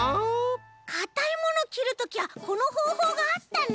かたいものきるときはこのほうほうがあったね！